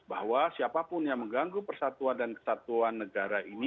bahwa siapapun yang mengganggu persatuan dan kesatuan negara ini